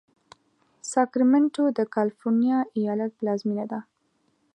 ساکرمنټو د کالفرنیا ایالت پلازمېنه ده.